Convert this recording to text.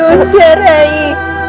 ini undia rai